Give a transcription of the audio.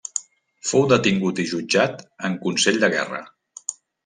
Fou detingut i jutjat en consell de guerra.